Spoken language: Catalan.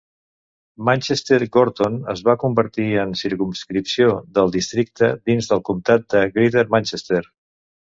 Manchester Gorton es va convertir en circumscripció del districte dins del comtat de Greater Manchester.